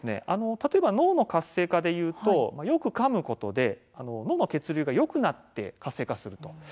例えば脳の活性化でいうとよくかむことで脳の血流がよくなって活性化すると。